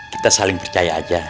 kita saling percaya aja